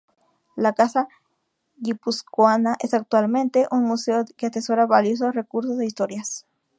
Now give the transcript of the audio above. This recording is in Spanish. La Casa Guipuzcoana es actualmente un museo que atesora valiosos recursos e historias.